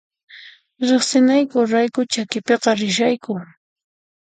Riqsinayku rayku chakipiqa rishayku